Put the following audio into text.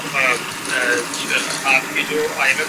اعلانیہ وغیر اعلانیہ سیاسی اتحادیوں کو ساتھ